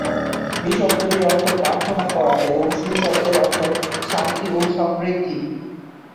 B শব্দটির অর্থ প্রার্থনা করা এবং শু শব্দের অর্থ শান্তি ও সমৃদ্ধি।